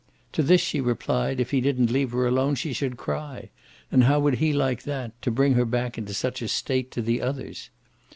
To this she replied that if he didn't leave her alone she should cry and how would he like that, to bring her back in such a state to the others?